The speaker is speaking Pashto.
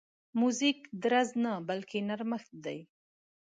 موزیک درز نه، بلکې نرمښت دی.